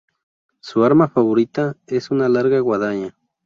Su arma favorita es una larga guadaña.